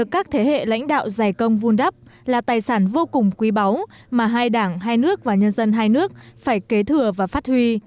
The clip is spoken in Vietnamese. các thế hệ lãnh đạo giải công vun đắp là tài sản vô cùng quý báu mà hai đảng hai nước và nhân dân hai nước phải kế thừa và phát huy